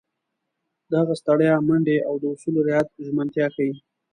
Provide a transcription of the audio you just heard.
د هغه ستړیا، منډې او د اصولو رعایت ژمنتیا ښيي.